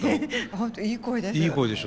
本当いい声です。